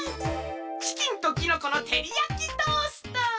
チキンときのこのてりやきトースト！